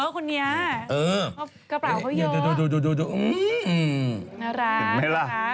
ไหนดูสิ